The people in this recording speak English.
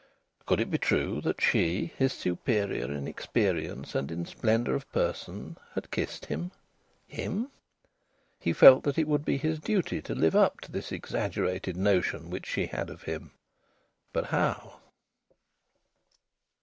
Could it be true that she, his superior in experience and in splendour of person, had kissed him? Him! He felt that it would be his duty to live up to this exaggerated notion which she had of him. But how?